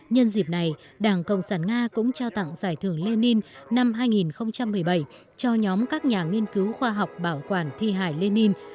nhân dịp này đảng cộng sản nga cũng trao tặng giải thưởng lê ninh năm hai nghìn một mươi bảy cho nhóm các nhà nghiên cứu khoa học bảo quản thi hải lê ninh